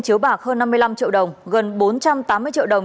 chiếu bạc hơn năm mươi năm triệu đồng gần bốn trăm tám mươi triệu đồng